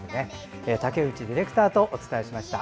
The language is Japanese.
竹内ディレクターとお伝えしました。